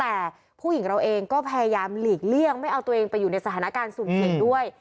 แต่ผู้หญิงเราเองก็พยายามหลีกเลี่ยงไม่เอาตัวเองไปอยู่ในสถานการณ์สูงเสี่ยงด้วย